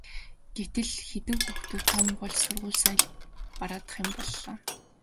гэтэл хэдэн хүүхдүүд том болж сургууль соёл бараадах боллоо.